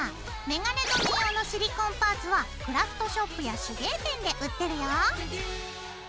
メガネ留め用のシリコンパーツはクラフトショップや手芸店で売ってるよ。